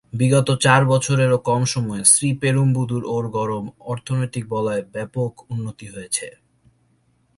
বিগত চার বছরেরও কম সময়ে শ্রীপেরুম্বুদুর-ওরগড়ম অর্থনৈতিক বলয়ে ব্যপক উন্নতি হয়েছে।